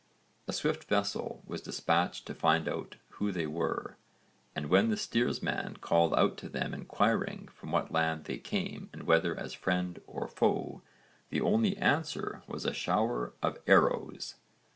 A swift vessel was dispatched to find out who they were, and when the steersman called out to them inquiring from what land they came and whether as friend or foe, the only answer was a shower of arrows.